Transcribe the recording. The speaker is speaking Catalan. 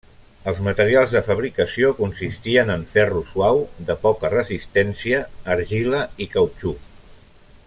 Els materials de fabricació consistien en ferro suau, de poca resistència, argila i cautxú.